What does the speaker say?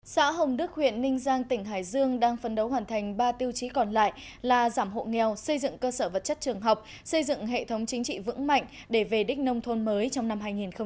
xã hồng đức huyện ninh giang tỉnh hải dương đang phấn đấu hoàn thành ba tiêu chí còn lại là giảm hộ nghèo xây dựng cơ sở vật chất trường học xây dựng hệ thống chính trị vững mạnh để về đích nông thôn mới trong năm hai nghìn hai mươi